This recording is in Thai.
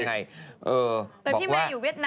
แต่พี่แมนอยู่เวียดนามเนอะ